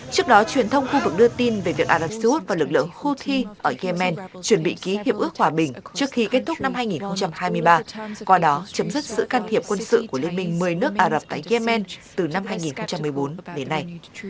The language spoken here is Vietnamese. trước đó truyền thông khu vực đưa tin về việc ả rập xê út và lực lượng houthi ở yemen chuẩn bị ký hiệp ước hòa bình trước khi kết thúc năm hai nghìn hai mươi ba qua đó chấm dứt sự can thiệp quân sự của liên minh một mươi nước ả rập tại yemen từ năm hai nghìn một mươi bốn đến nay